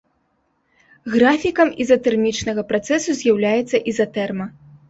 Графікам ізатэрмічнага працэсу з'яўляецца ізатэрма.